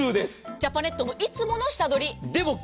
ジャパネットのいつもの下取り。